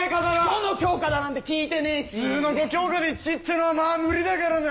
どの教科だなんて聞いてねえし普通の５教科で１位ってのはまあ無理だからな